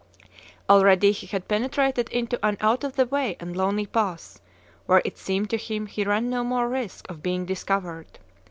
Already he had penetrated into an out of the way and lonely pass, where it seemed to him he ran no more risk of being discovered.